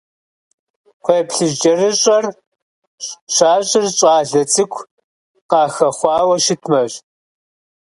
КхъуейплъыжькӀэрыщӀэр щащӀыр щӀалэ цӀыкӀу къахэхъуауэ щытмэщ.